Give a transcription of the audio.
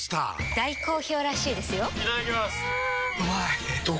大好評らしいですよんうまい！